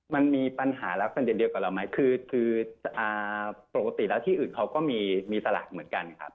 มันมีปัญหาลักษณะเดียวกับเราไหมคือปกติแล้วที่อื่นเขาก็มีสลากเหมือนกันครับ